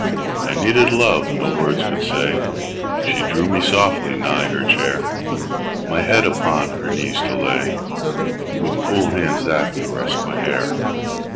I needed love no words could say; She drew me softly nigh her chair, My head upon her knees to lay, With cool hands that caressed my hair.